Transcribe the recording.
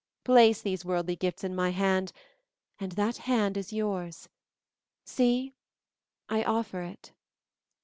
Place these worldly gifts in my hand and that hand is yours. See, I offer it."